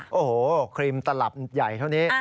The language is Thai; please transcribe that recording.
โอ้โหครีมตลับใหญ่เท่านี้